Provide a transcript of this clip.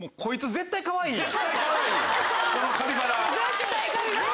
絶対かわいいやつやん！